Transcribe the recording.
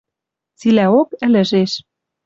Цилӓок ӹлӹжеш.